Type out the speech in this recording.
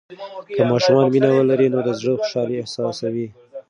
که ماشومان مینه ولري، نو د زړه خوشالي احساسوي.